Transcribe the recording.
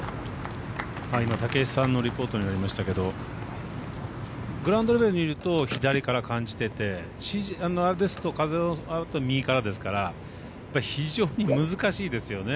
今、武井さんのリポートにもありましたけどグラウンド内にいると左に感じててＣＧですと風が右からですから非常に難しいですよね。